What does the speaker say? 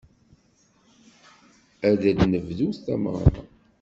Ad d-nebdut tameɣra.